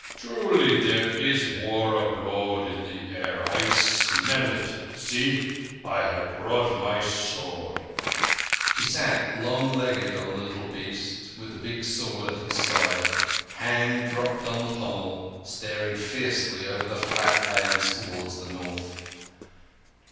Truly there is war abroad in the air. I smell it. See! I have brought my sword." He sat long legged on the little beast, with the big sword at his side—hand dropped on the pommel—staring fiercely over the flat lands towards the North.